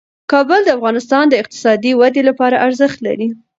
کابل د افغانستان د اقتصادي ودې لپاره ارزښت لري.